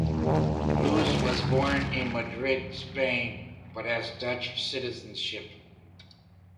Loos was born in Madrid, Spain, but has Dutch citizenship.